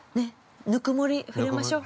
◆ぬくもり触れましょう。